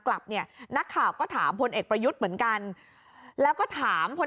กลับเนี่ยนักข่าวก็ถามพลเอกประยุทธ์เหมือนกันแล้วก็ถามพล